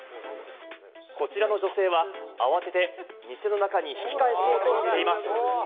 こちらの女性は慌てて店の中に引き返そうとしています。